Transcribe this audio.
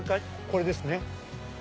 これですね。